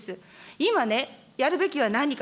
今ね、やるべきは何か。